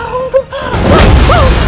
ampun ampun raden